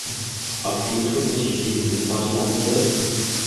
Ob Petrus mich durch die Himmelspforte lassen wird?